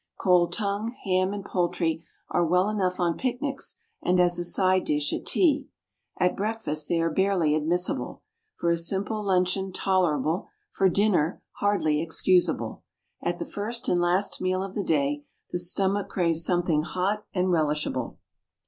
Cold tongue, ham and poultry are well enough on picnics and as a side dish at tea. At breakfast they are barely admissible; for a simple luncheon tolerable; for dinner hardly excusable. At the first and last meal of the day, the stomach craves something hot and relishable.